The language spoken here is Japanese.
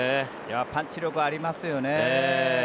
パンチ力がありますよね。